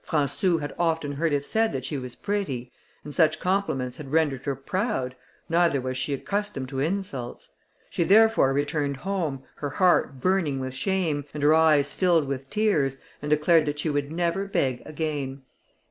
Françou had often heard it said that she was pretty, and such compliments had rendered her proud, neither was she accustomed to insults; she therefore returned home, her heart burning with shame, and her eyes filled with tears, and declared that she would never beg again.